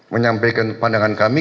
menyampaikan pandangan kami